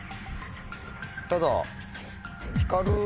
ただ。